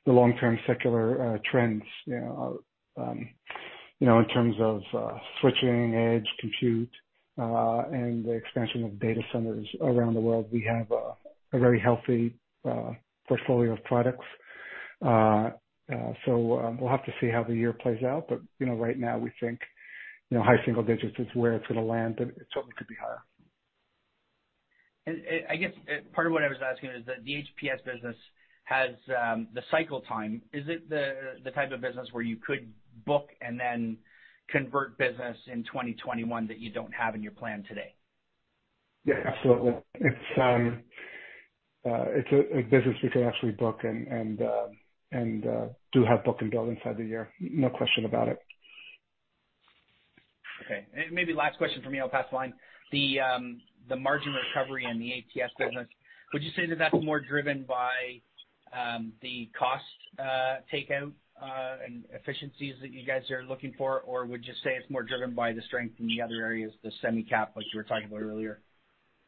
the long-term secular trends in terms of switching, edge, compute, and the expansion of data centers around the world. We have a very healthy portfolio of products. We'll have to see how the year plays out. Right now we think high single digits is where it's going to land, but it certainly could be higher. I guess part of what I was asking is that the HPS business has the cycle time. Is it the type of business where you could book and then convert business in 2021 that you don't have in your plan today? Yeah, absolutely. It's a business we can actually book and do have book and build inside the year, no question about it. Okay. Maybe last question from me, I'll pass the line. The margin recovery in the ATS business, would you say that that's more driven by the cost takeout and efficiencies that you guys are looking for, or would you say it's more driven by the strength in the other areas, the semi cap, like you were talking about earlier,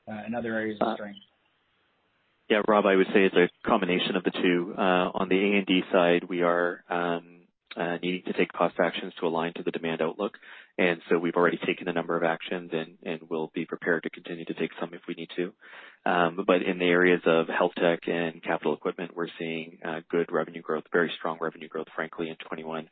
and other areas of strength? Yeah, Rob, I would say it's a combination of the two. On the A&D side, we are needing to take cost actions to align to the demand outlook. We've already taken a number of actions, and we'll be prepared to continue to take some if we need to. In the areas of HealthTech and Capital Equipment, we're seeing good revenue growth, very strong revenue growth, frankly, in 2021,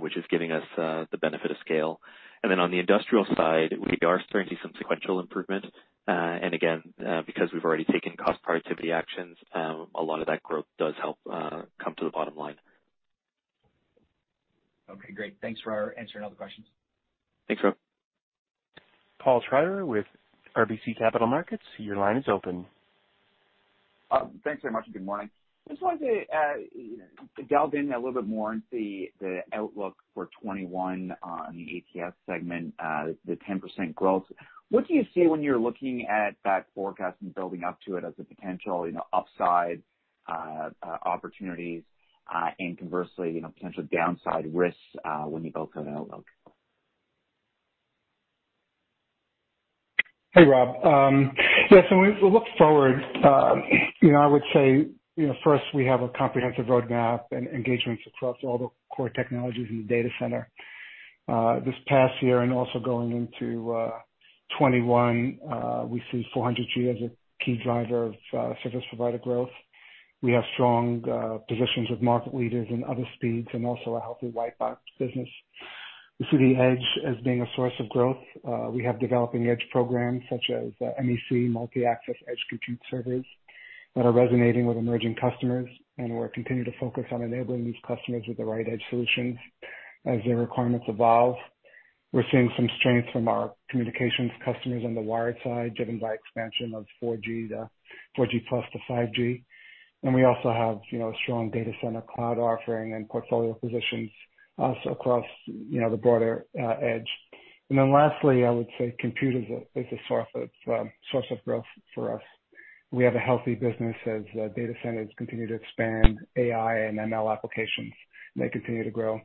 which is giving us the benefit of scale. On the industrial side, we are starting to see some sequential improvement. Again, because we've already taken cost productivity actions, a lot of that growth does help come to the bottom line. Okay, great. Thanks for answering all the questions. Thanks, Rob. Paul Treiber with RBC Capital Markets, your line is open. Thanks very much, good morning. I just wanted to delve in a little bit more into the outlook for 2021 on the ATS segment, the 10% growth. What do you see when you're looking at that forecast and building up to it as a potential upside opportunities, and conversely, potential downside risks when you go through the outlook? Hey, Paul. Yeah, when we look forward, I would say first we have a comprehensive roadmap and engagements across all the core technologies in the data center. This past year and also going into 2021, we see 400G as a key driver of service provider growth. We have strong positions with market leaders and other speeds, also a healthy white box business. We see the edge as being a source of growth. We have developing edge programs such as MEC, multi-access edge compute servers, that are resonating with emerging customers, we'll continue to focus on enabling these customers with the right edge solutions as their requirements evolve. We're seeing some strength from our Communications customers on the wired side, driven by expansion of 4G plus to 5G. We also have a strong data center cloud offering and portfolio positions also across the broader edge. Then lastly, I would say compute is a source of growth for us. We have a healthy business as data centers continue to expand AI and ML applications, and they continue to grow.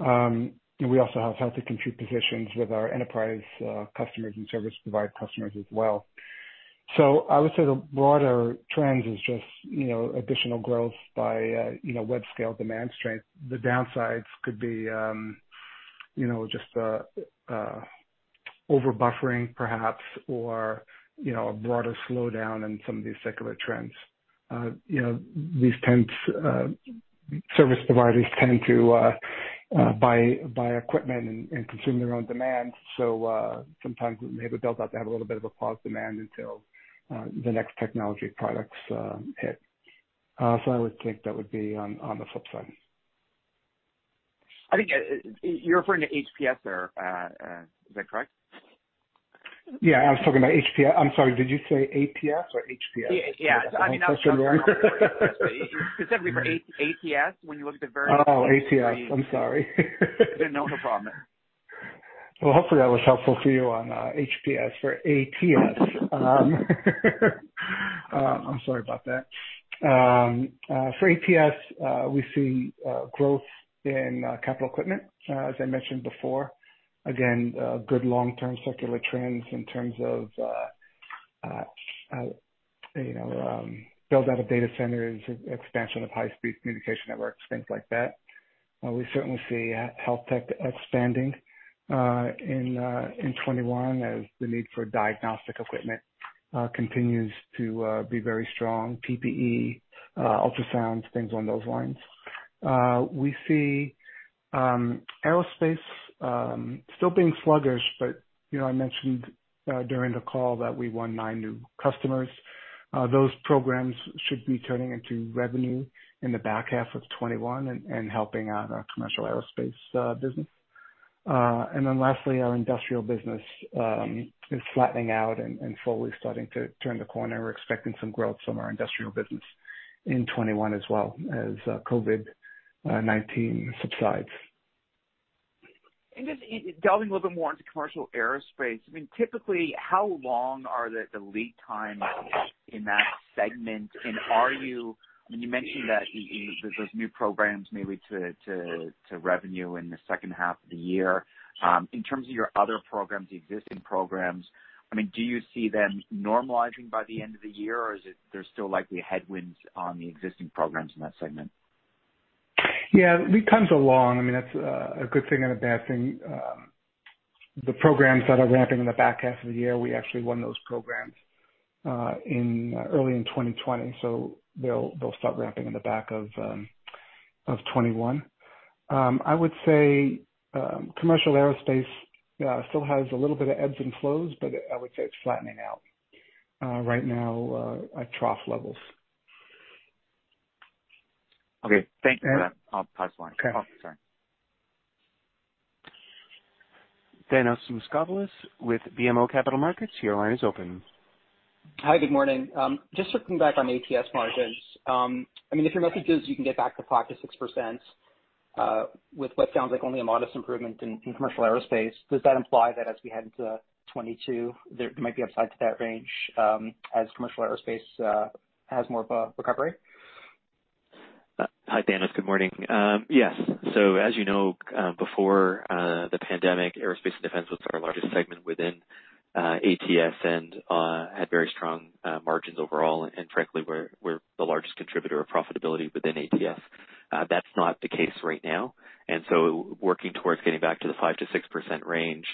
We also have healthy compute positions with our Enterprise customers and service provider customers as well. I would say the broader trends is just additional growth by web scale demand strength. The downsides could be just over-buffering perhaps, or a broader slowdown in some of these secular trends. These service providers tend to buy equipment and consume their own demand, so sometimes they build out to have a little bit of a paused demand until the next technology products hit. I would think that would be on the flip side. I think you're referring to HPS there, is that correct? Yeah, I was talking about HPS. I'm sorry, did you say ATS or HPS? Yeah. I hope that's the right. Specifically for ATS, when you look at the. Oh, ATS. I'm sorry. No, no problem. Well, hopefully that was helpful for you on HPS. For ATS, I'm sorry about that. For ATS, we see growth in Capital Equipment, as I mentioned before. Good long-term secular trends in terms of build-out of data centers, expansion of high-speed communication networks, things like that. We certainly see HealthTech expanding in 2021 as the need for diagnostic equipment continues to be very strong. PPE, ultrasounds, things on those lines. We see aerospace still being sluggish, but I mentioned during the call that we won nine new customers. Those programs should be turning into revenue in the back half of 2021 and helping out our commercial aerospace business. Lastly, our industrial business is flattening out and slowly starting to turn the corner. We're expecting some growth from our industrial business in 2021 as well as COVID-19 subsides. Just delving a little bit more into commercial aerospace, I mean, typically, how long are the lead times in that segment? You mentioned that those new programs may lead to revenue in the second half of the year. In terms of your other programs, the existing programs, do you see them normalizing by the end of the year, or is it there's still likely headwinds on the existing programs in that segment? Yeah. Lead times are long. I mean, that's a good thing and a bad thing. The programs that are ramping in the back half of the year, we actually won those programs early in 2020, so they'll stop ramping in the back of 2021. I would say commercial aerospace still has a little bit of ebbs and flows, but I would say it's flattening out right now at trough levels. Okay. Thank you for that. I'll pause the line. Okay. Sorry. Thanos Moschopoulos with BMO Capital Markets, your line is open. Hi, good morning. Just circling back on ATS margins. If your message is you can get back to 5%-6%, with what sounds like only a modest improvement in commercial aerospace, does that imply that as we head into 2022, there might be upside to that range, as commercial aerospace has more of a recovery? Hi, Thanos. Good morning. Yes. As you know, before the pandemic, aerospace and defense was our largest segment within ATS and had very strong margins overall, and frankly, we're the largest contributor of profitability within ATS. That's not the case right now. Working towards getting back to the 5%-6% range,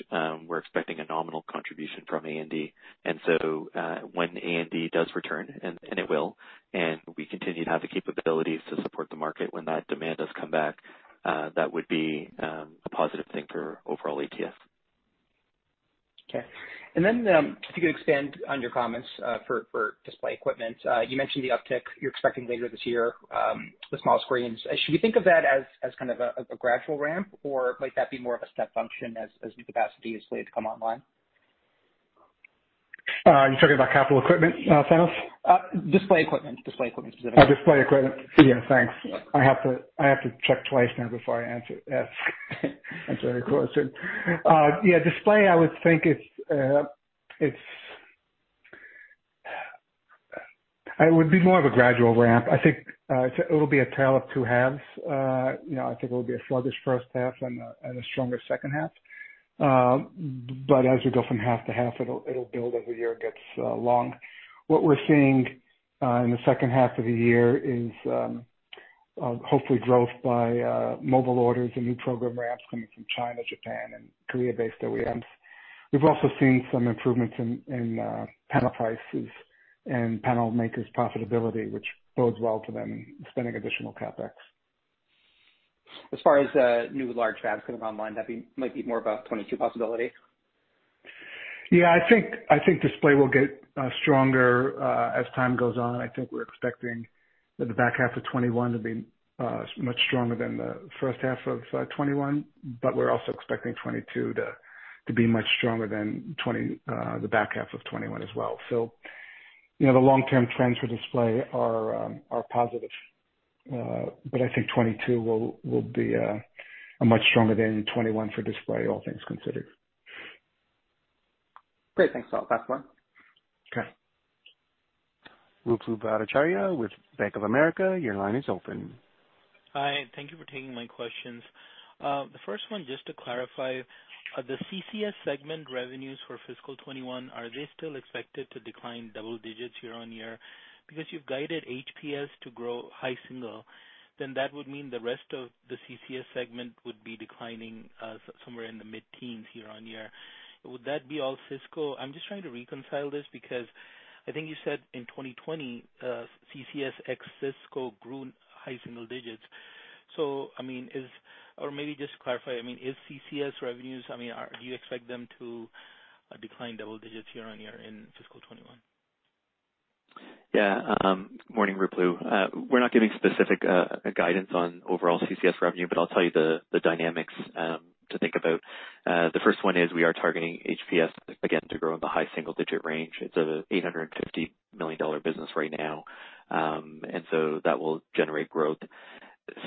we're expecting a nominal contribution from A&D. When A&D does return, and it will, and we continue to have the capabilities to support the market when that demand does come back, that would be a positive thing for overall ATS. Okay. If you could expand on your comments for display equipment. You mentioned the uptick you're expecting later this year with small screens. Should we think of that as kind of a gradual ramp, or might that be more of a step function as new capacity is slated to come online? Are you talking about Capital Equipment, thanos? Display equipment specifically. Display equipment. Thanks. I have to check twice now before I answer Thanos' question. Display, it would be more of a gradual ramp. I think it'll be a tale of two halves. I think it will be a sluggish first half and a stronger second half. As we go from half to half, it'll build as the year gets along. What we're seeing in the second half of the year is hopefully growth by mobile orders and new program ramps coming from China, Japan, and Korea-based OEMs. We've also seen some improvements in panel prices and panel makers' profitability, which bodes well to them spending additional CapEx. As far as new large fabs coming online, that might be more of a 2022 possibility? Yeah, I think display will get stronger as time goes on. I think we're expecting the back half of 2021 to be much stronger than the first half of 2021, but we're also expecting 2022 to be much stronger than the back half of 2021 as well. The long-term trends for display are positive. I think 2022 will be much stronger than 2021 for display, all things considered. Great. Thanks, Rob. Last one. Okay. Ruplu Bhattacharya with Bank of America, your line is open. Hi, thank you for taking my questions. The first one, just to clarify, the CCS segment revenues for fiscal 2021, are they still expected to decline double digits year-over-year? You've guided HPS to grow high single, that would mean the rest of the CCS segment would be declining somewhere in the mid-teens year-over-year. Would that be all Cisco? I'm just trying to reconcile this because I think you said in 2020, CCS ex Cisco grew high single digits. Maybe just to clarify, is CCS revenues, do you expect them to decline double digits year-over-year in fiscal 2021? Yeah. Morning, Ruplu. We're not giving specific guidance on overall CCS revenue, but I'll tell you the dynamics to think about. The first one is we are targeting HPS again to grow in the high single-digit range. It's a $850 million business right now. That will generate growth.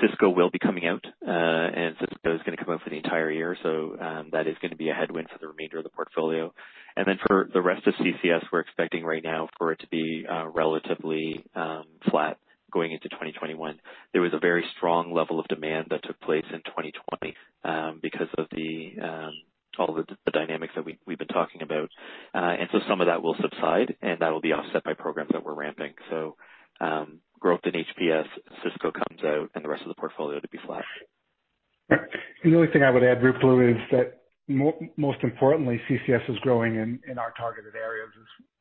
Cisco will be coming out, and Cisco is going to come out for the entire year. That is going to be a headwind for the remainder of the portfolio. For the rest of CCS, we're expecting right now for it to be relatively flat going into 2021. There was a very strong level of demand that took place in 2020 because of all the dynamics that we've been talking about. Some of that will subside, and that will be offset by programs that we're ramping. Growth in HPS, Cisco comes out, and the rest of the portfolio to be flat. The only thing I would add, Ruplu, is that most importantly, CCS is growing in our targeted areas,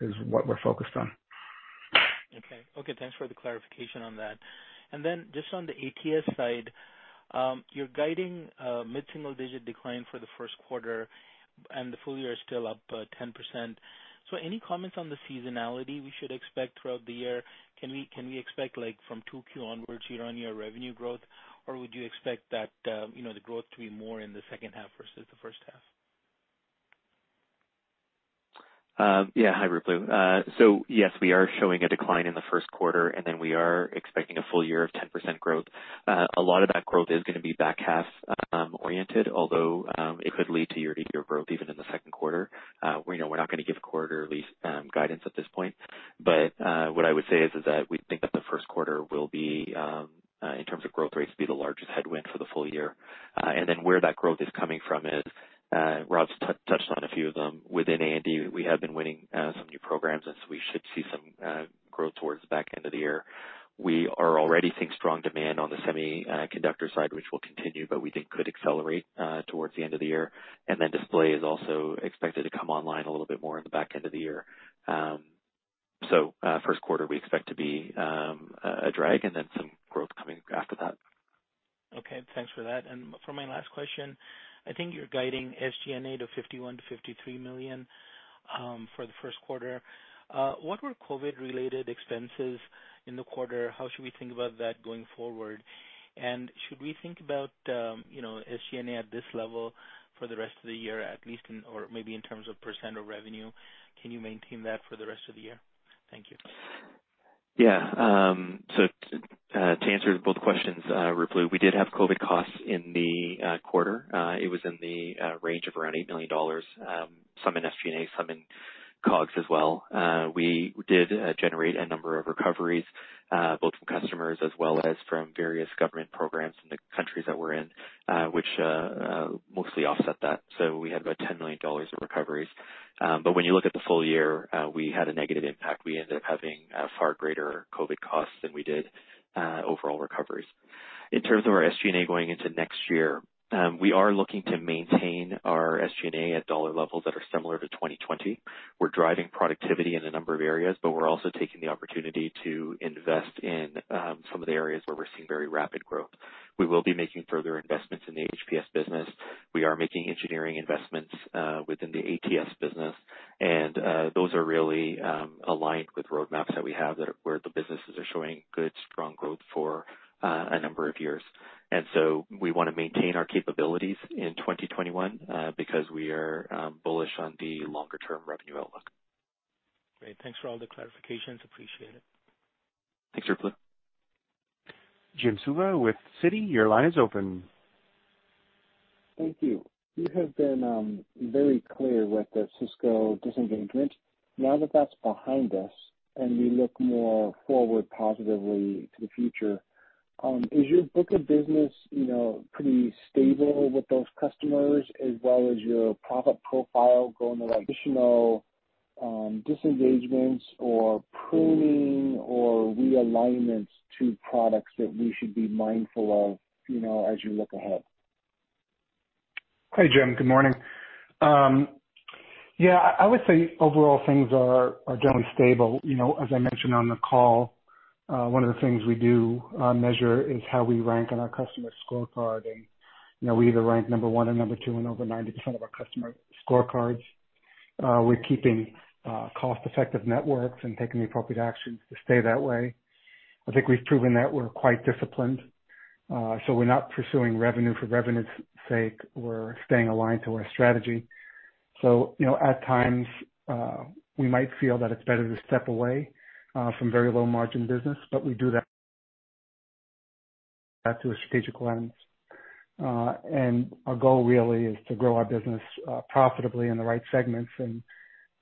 is what we're focused on. Okay. Thanks for the clarification on that. Just on the ATS side, you're guiding a mid-single digit decline for the first quarter. The full year is still up 10%. Any comments on the seasonality we should expect throughout the year? Can we expect from Q2 onwards year-on-year revenue growth? Would you expect the growth to be more in the second half versus the first half? Hi, Ruplu. Yes, we are showing a decline in the first quarter, we are expecting a full year of 10% growth. A lot of that growth is going to be back-half oriented, although it could lead to year-over-year growth even in the second quarter. We're not going to give quarterly guidance at this point, but what I would say is, that we think that the first quarter will be, in terms of growth rates, be the largest headwind for the full year. Where that growth is coming from is, Rob's touched on a few of them within A&D. We have been winning some new programs, we should see some growth towards the back end of the year. We are already seeing strong demand on the semiconductor side, which will continue, but we think could accelerate towards the end of the year. Display is also expected to come online a little bit more in the back end of the year. First quarter, we expect to be a drag and then some growth coming after that. Okay, thanks for that. For my last question, I think you're guiding SG&A to $51 million-$53 million for the first quarter. What were COVID-related expenses in the quarter? How should we think about that going forward? Should we think about SG&A at this level for the rest of the year, at least, or maybe in terms of percent of revenue? Can you maintain that for the rest of the year? Thank you. Yeah. To answer both questions, Ruplu, we did have COVID costs in the quarter. It was in the range of around $8 million, some in SG&A, some in COGS as well. We did generate a number of recoveries, both from customers as well as from various government programs in the countries that we're in, which mostly offset that. We had about $10 million of recoveries. When you look at the full year, we had a negative impact. We ended up having far greater COVID costs than we did overall recoveries. In terms of our SG&A going into next year, we are looking to maintain our SG&A at dollar levels that are similar to 2020. We're driving productivity in a number of areas, we're also taking the opportunity to invest in some of the areas where we're seeing very rapid growth. We will be making further investments in the HPS business. We are making engineering investments within the ATS business. Those are really aligned with roadmaps that we have where the businesses are showing good, strong growth for a number of years. We want to maintain our capabilities in 2021 because we are bullish on the longer-term revenue outlook. Great. Thanks for all the clarifications. Appreciate it. Thanks, Ruplu. Jim Suva with Citi, your line is open. Thank you. You have been very clear with the Cisco disengagement. Now that that's behind us and we look more forward positively to the future, is your book of business pretty stable with those customers as well as your profit profile going to additional disengagements or pruning or realignments to products that we should be mindful of as you look ahead? Hey, Jim. Good morning. Yeah, I would say overall things are generally stable. As I mentioned on the call, one of the things we do measure is how we rank on our customer scorecard. We either rank number one or number two in over 90% of our customer scorecards. We're keeping cost-effective networks and taking the appropriate actions to stay that way. I think we've proven that we're quite disciplined. We're not pursuing revenue for revenue's sake. We're staying aligned to our strategy. At times, we might feel that it's better to step away from very low-margin business, but we do that to a strategic lens. Our goal really is to grow our business profitably in the right segments and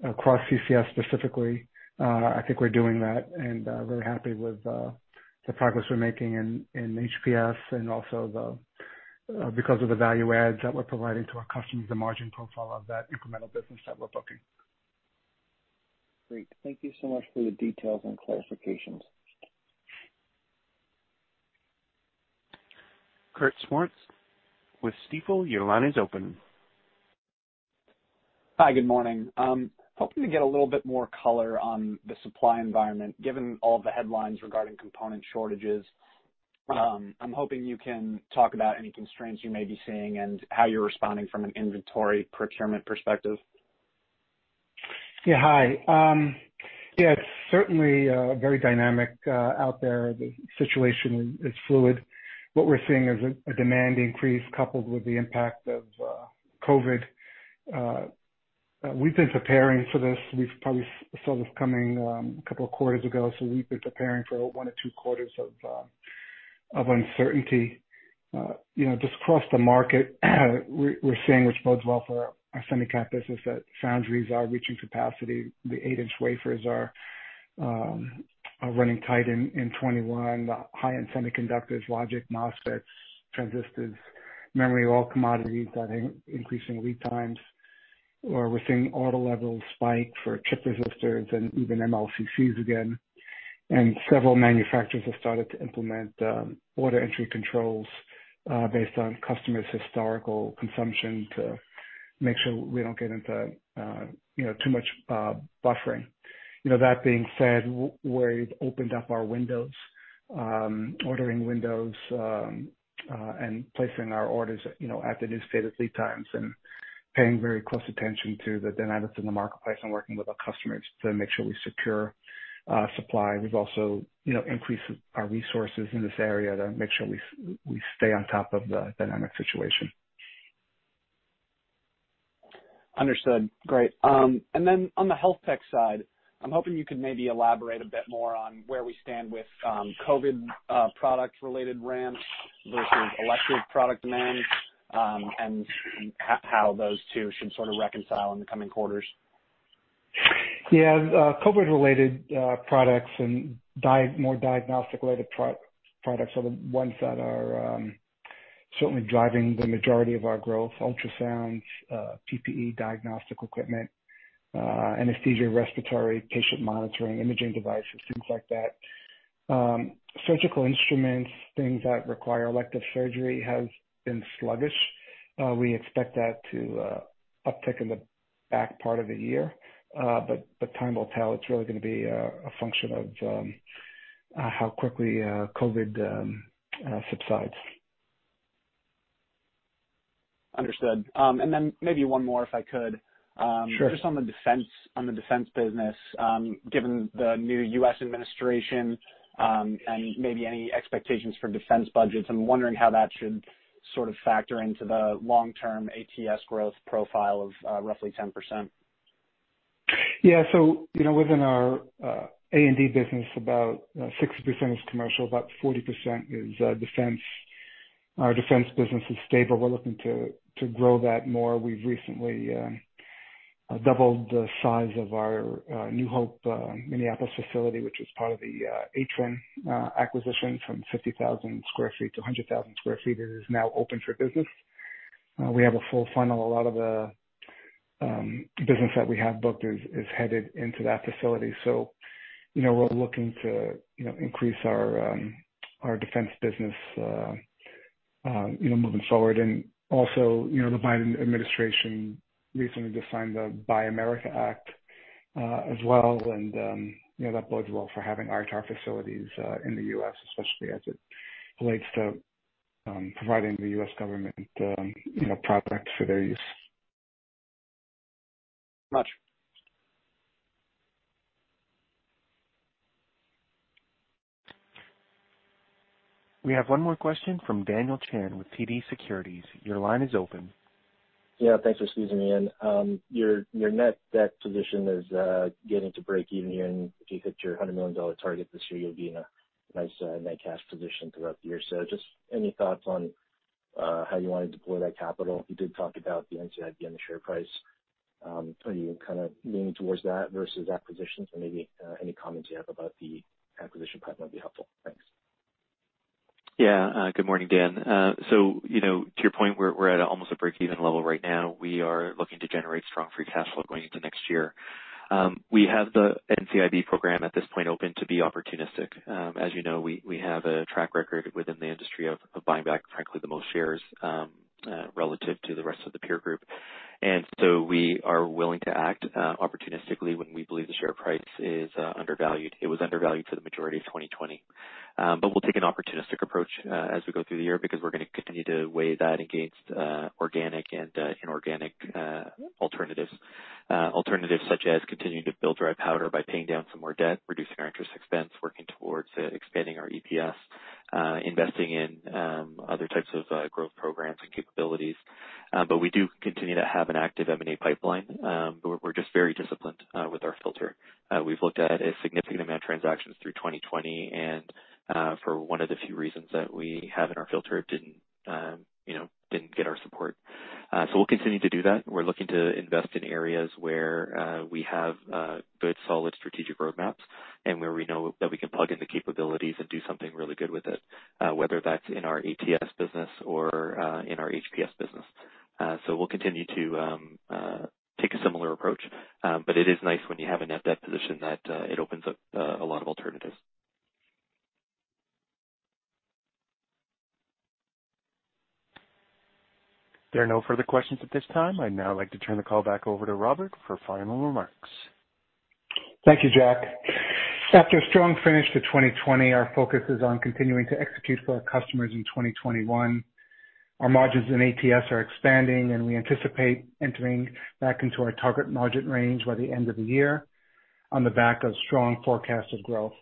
across CCS specifically. I think we're doing that and we're happy with the progress we're making in HPS and also because of the value adds that we're providing to our customers, the margin profile of that incremental business that we're booking. Great. Thank you so much for the details and clarifications. Kurt Swartz with Stifel, your line is open. Hi, good morning. Hoping to get a little bit more color on the supply environment, given all the headlines regarding component shortages. I'm hoping you can talk about any constraints you may be seeing and how you're responding from an inventory procurement perspective. It's certainly very dynamic out there. The situation is fluid. What we're seeing is a demand increase coupled with the impact of COVID. We've been preparing for this. We've probably saw this coming a couple of quarters ago, so we've been preparing for one or two quarters of uncertainty. Just across the market, we're seeing, which bodes well for our semi cap business, that foundries are reaching capacity. The eight-inch wafers are running tight in 2021. The high-end semiconductors, logic, MOSFETs, transistors, memory, all commodities are increasing lead times. We're seeing order levels spike for chip resistors and even MLCCs again. Several manufacturers have started to implement order entry controls based on customers' historical consumption to make sure we don't get into too much buffering. That being said, we've opened up our windows, ordering windows, and placing our orders at the new stated lead times and paying very close attention to the dynamics in the marketplace and working with our customers to make sure we secure supply. We've also increased our resources in this area to make sure we stay on top of the dynamic situation. Understood. Great. On the HealthTech side, I'm hoping you could maybe elaborate a bit more on where we stand with COVID product-related ramps versus elective product demands, how those two should sort of reconcile in the coming quarters. Yeah. COVID-related products and more diagnostic-related products are the ones that are certainly driving the majority of our growth. Ultrasounds, PPE, diagnostic equipment, anesthesia, respiratory, patient monitoring, imaging devices, things like that. Surgical instruments, things that require elective surgery have been sluggish. We expect that to uptick in the back part of the year. Time will tell. It's really going to be a function of how quickly COVID subsides. Understood. Maybe one more, if I could. Sure. Just on the defense business, given the new U.S. administration, and maybe any expectations for defense budgets, I'm wondering how that should sort of factor into the long-term ATS growth profile of roughly 10%. Within our A&D business, about 60% is commercial, about 40% is defense. Our defense business is stable. We're looking to grow that more. We've recently doubled the size of our New Hope Minneapolis facility, which is part of the Atrenne acquisition from 50,000 sq ft to 100,000 sq ft. It is now open for business. We have a full funnel. A lot of the business that we have booked is headed into that facility. We're looking to increase our defense business moving forward. Also, the Biden administration recently just signed the Build America, Buy America Act as well. That bodes well for having ITAR facilities in the U.S., especially as it relates to providing the U.S. government products for their use. Much. We have one more question from Daniel Chan with TD Securities. Your line is open. Thanks for squeezing me in. Your net debt position is getting to breakeven. If you hit your $100 million target this year, you'll be in a nice net cash position throughout the year. Just any thoughts on how you want to deploy that capital? You did talk about the NCIB and the share price. Are you kind of leaning towards that versus acquisitions or maybe any comments you have about the acquisition pipe might be helpful. Thanks. Good morning, Dan. To your point, we're at almost a breakeven level right now. We are looking to generate strong free cash flow going into next year. We have the NCIB program at this point open to be opportunistic. As you know, we have a track record within the industry of buying back, frankly, the most shares relative to the rest of the peer group. We are willing to act opportunistically when we believe the share price is undervalued. It was undervalued for the majority of 2020. We'll take an opportunistic approach as we go through the year because we're going to continue to weigh that against organic and inorganic alternatives. Alternatives such as continuing to build dry powder by paying down some more debt, reducing our interest expense, working towards expanding our EPS, investing in other types of growth programs and capabilities. We do continue to have an active M&A pipeline. We're just very disciplined with our filter. We've looked at a significant amount of transactions through 2020, and for one of the few reasons that we have in our filter, didn't get our support. We'll continue to do that. We're looking to invest in areas where we have good, solid strategic roadmaps and where we know that we can plug in the capabilities and do something really good with it, whether that's in our ATS business or in our HPS business. We'll continue to take a similar approach, but it is nice when you have a net debt position that it opens up a lot of alternatives. There are no further questions at this time. I'd now like to turn the call back over to Robert for final remarks. Thank you, Jack. After a strong finish to 2020, our focus is on continuing to execute for our customers in 2021. Our margins in ATS are expanding, and we anticipate entering back into our target margin range by the end of the year on the back of strong forecasted growth.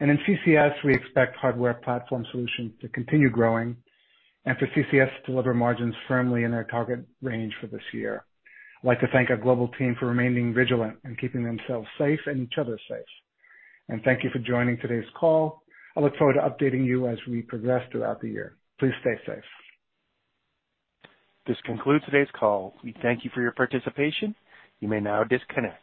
In CCS, we expect Hardware Platform Solutions to continue growing and for ATS to deliver margins firmly in their target range for this year. I'd like to thank our global team for remaining vigilant and keeping themselves safe and each other safe. Thank you for joining today's call. I look forward to updating you as we progress throughout the year. Please stay safe. This concludes today's call. We thank you for your participation. You may now disconnect.